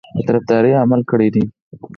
په طرفداري عمل کړی دی.